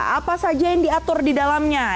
apa saja yang diatur di dalamnya